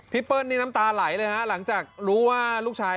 เปิ้ลนี่น้ำตาไหลเลยฮะหลังจากรู้ว่าลูกชาย